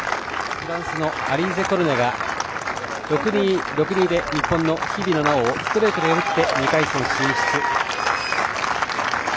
フランスのアリーゼ・コルネが日本の日比野菜緒をストレートで破って２回戦進出。